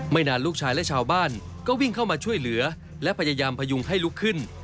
นานลูกชายและชาวบ้านก็วิ่งเข้ามาช่วยเหลือและพยายามพยุงให้ลุกขึ้น